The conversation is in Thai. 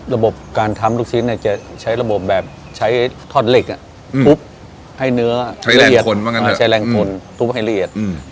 ลูกชิ้นจะใช้ระบบแบบใช้ทอดเหล็กทุบให้เนื้อใช้แรงผลทุบให้ละเอียด